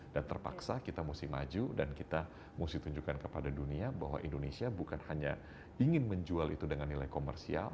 dan terpaksa kita mesti maju dan kita mesti tunjukkan kepada dunia bahwa indonesia bukan hanya ingin menjual itu dengan nilai komersial